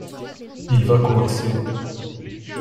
il va commencer.